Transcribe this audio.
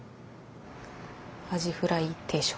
アジフライ定食。